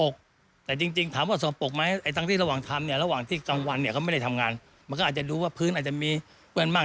เขาไม่ได้ทำงานมันก็อาจจะรู้ว่าพื้นอาจจะมีเวลามาก